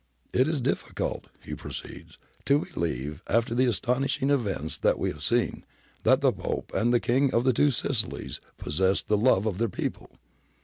' It is difficult,' he proceeds, ' to believe, after the astonishing events that we have seen, that the Pope and the King of the Two Sicilies possessed the love of their people.'